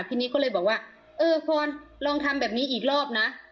ทีนี้ก็เลยบอกว่าเออพรลองทำแบบนี้อีกรอบนะ